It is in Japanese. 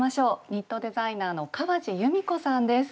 ニットデザイナーの川路ゆみこさんです。